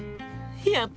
やった！